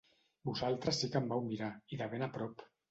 Vosaltres sí que em vau mirar, i de ben a prop.